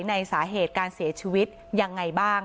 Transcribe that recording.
สาเหตุการเสียชีวิตยังไงบ้าง